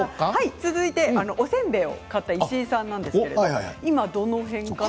続いておせんべいを買った石井さんなんですけど今どの辺かな？